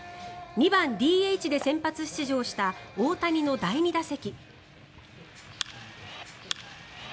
２番ＤＨで先発出場した大谷の第２打席。